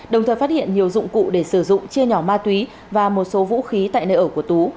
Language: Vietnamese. đồng thời phát hiện nhiều dụng cụ để sử dụng chia nhỏ ma túy và một số vũ khí tại nơi ở của tú